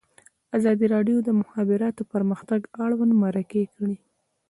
ازادي راډیو د د مخابراتو پرمختګ اړوند مرکې کړي.